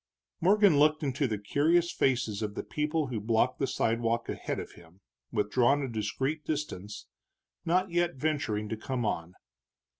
Morgan looked into the curious faces of the people who blocked the sidewalk ahead of him, withdrawn a discreet distance, not yet venturing to come on.